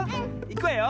いくわよ。